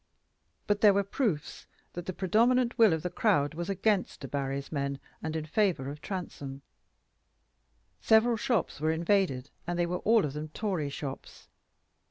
But there were proofs that the predominant will of the crowd was against "Debarry's men," and in favor of Transome. Several shops were invaded, and they were all of them "Tory shops."